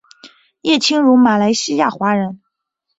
叶清荣马来西亚华人。